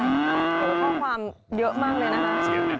ข้อความเยอะมากเลยนะฮะ